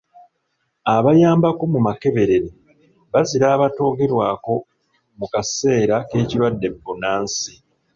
Abayambako mu makeberere bazira abatoogerwako mu mu kaseera k'ekirwadde bbunansi.